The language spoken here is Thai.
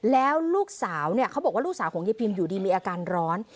แล้วลูกสาวเนี่ยเขาบอกว่าลูกสาวของยายพิมอยู่ดีมีอาการร้อน